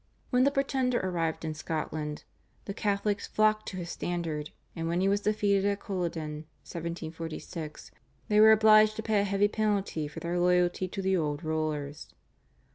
When the Pretender arrived in Scotland the Catholics flocked to his standard, and when he was defeated at Culloden (1746) they were obliged to pay a heavy penalty for their loyalty to the old rulers.